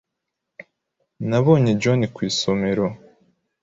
Nabonye John ku isomero.